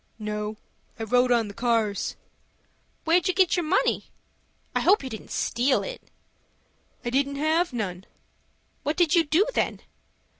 "No, I rode on the cars." "Where'd you get your money? I hope you didn't steal it." "I didn't have none." "What did you do, then?"